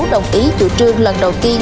đồng ý chủ trương lần đầu tiên